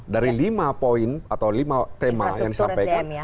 dari lima poin atau lima tema yang disampaikan